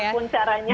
iya gimana pun caranya